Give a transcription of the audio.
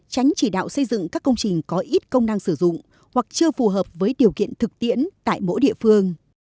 tránh chỉ đạo xây dựng các công trình có ít công năng sử dụng hoặc chưa phù hợp với điều kiện thực tiễn tại mỗi địa phương